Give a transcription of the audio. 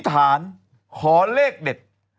ถาสนคอเลขเด็ด